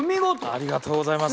ありがとうございます。